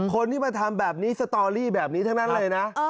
คนที่มาทำแบบนี้สตอรี่แบบนี้ทั้งนั้นเลยนะ